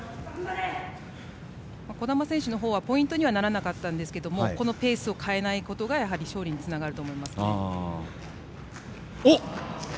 児玉選手のほうはポイントにはなりませんでしたがこのペースを変えないことが勝利につながると思いますね。